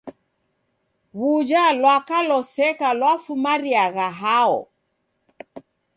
W'uja lwaka loseka lwafumiriagha hao?